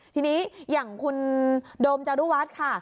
ทีนี้อย่างคุณโดมจารุวัฒน์ค่ะ